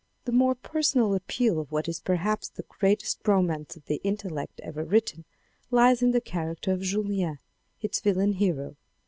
The more personal appeal of what is perhaps the greatest romance of the intellect ever written lies in the character of Julien, its villain hero.